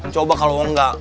coba kalau enggak